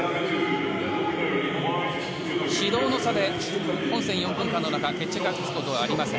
指導の差で本戦４分間の中決着がつくことはありません。